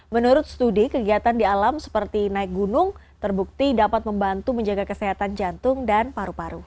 menurut studi kegiatan di alam seperti naik gunung terbukti dapat membantu menjaga kesehatan jantung dan paru paru